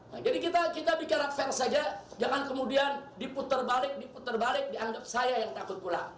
nah jadi kita bikin rafel saja jangan kemudian diputer balik diputer balik dianggap saya yang takut pulang